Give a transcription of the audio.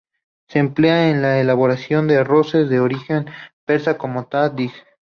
Se emplea en la elaboración de arroces de origen persa como el tah dig.